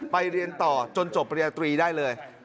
ไปเรียนต่อจนจบประหลาด๓ได้เลย